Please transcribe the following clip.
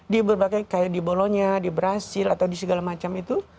di berbagai kayak di bolonya di brazil atau di segala macam itu